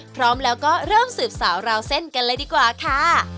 พร้อมแล้วก็เริ่มสืบสาวราวเส้นกันเลยดีกว่าค่ะ